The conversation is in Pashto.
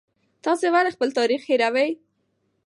تاسې ولې خپل تاریخ هېروئ؟